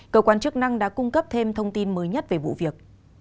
cơ quan chức năng đã cung cấp thêm thông tin mới nhất về vụ việc